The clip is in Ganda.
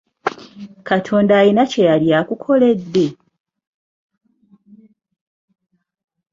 Katonda alina kye yali akukoledde?